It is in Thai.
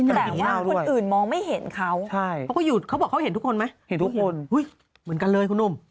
อยู่ที่อุตรดิตใช่ไหมที่เราเรียกกันเมืองแรม